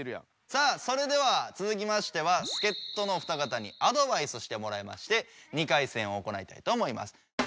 さあそれではつづきましては助っとのお二方にアドバイスをしてもらいまして２回戦を行いたいと思います。